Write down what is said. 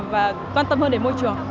và quan tâm hơn đến môi trường